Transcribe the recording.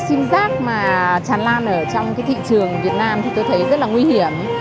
sim giác mà tràn lan ở trong cái thị trường việt nam thì tôi thấy rất là nguy hiểm